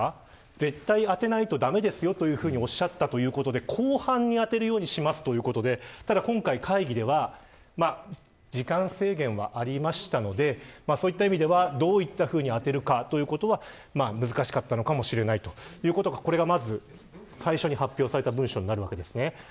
絶対に当てないと駄目ですよというふうにおっしゃったということで後半に当てるようにしますということで、ただ今回会議では時間制限はありましたのでそういった意味ではどういったふうにあてるかということは難しかったのかもしれないということがこれが、まず最初に発表された文書になるわけです。